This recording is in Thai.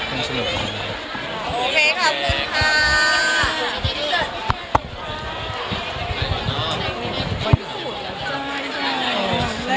คุณค่ะ